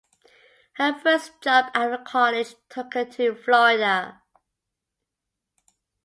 Her first job out of college took her to Florida.